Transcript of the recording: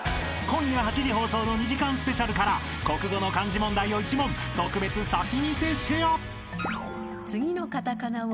［今夜８時放送の２時間ＳＰから国語の漢字問題を１問特別先見せシェア］